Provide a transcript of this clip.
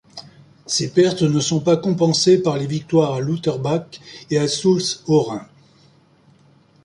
Ces pertes ne sont pas compensées par les victoires à Lutterbach et à Soultz-Haut-Rhin.